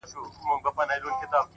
چي دې سترگو زما و زړه ته کړی پول دی”